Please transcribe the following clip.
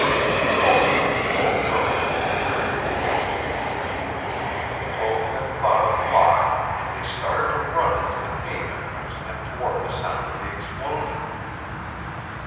Impulsively both girls took a very foolish chance. Both had thought of Locke and they started to run into the cave entrance and toward the sound of the explosion.